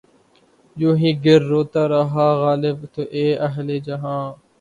یوں ہی گر روتا رہا غالب! تو اے اہلِ جہاں